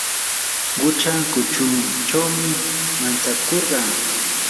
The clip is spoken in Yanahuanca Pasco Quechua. qucha kuchunchawmi mantsakurqaa.